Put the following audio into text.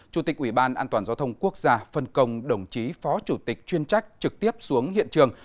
chủ tịch ubnd quốc gia phân công đồng chí phó chủ tịch chuyên trách trực tiếp xuống hiện trường